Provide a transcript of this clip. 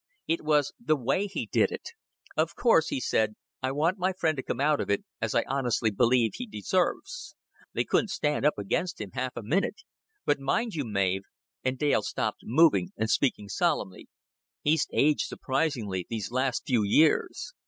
It was the way he did it. 'Of course,' he said, 'I want my friend to come out of it as I honestly believe he deserves.' They couldn't stand up against him half a minute. But, mind you, Mav;" and Dale stopped moving, and spoke solemnly, "he's aged surprising these last few years.